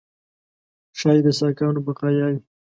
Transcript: ښایي د ساکانو بقایاوي.